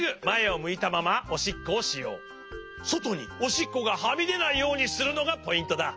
そとにおしっこがはみでないようにするのがポイントだ。